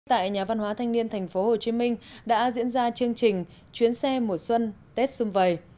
tại nhà văn hóa thanh niên tp hcm đã diễn ra chương trình chuyến xe mùa xuân tết xung vầy